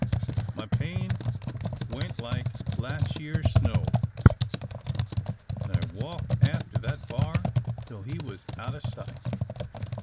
My pain went like las' year's snow, an' I walked after that b'ar till he was out o' sight.